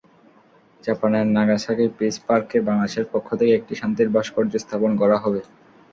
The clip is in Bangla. জাপানের নাগাসাকি পিস পার্কে বাংলাদেশের পক্ষ থেকে একটি শান্তির ভাস্কর্য স্থাপন করা হবে।